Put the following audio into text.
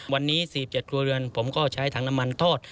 วันนี้๔๗ครัวเรือนผมก็ใช้ถังน้ำมันทอด